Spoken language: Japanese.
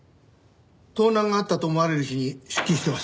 盗難があったと思われる日に出勤してます。